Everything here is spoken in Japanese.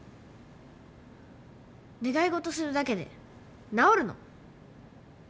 願い事するだけで治るの？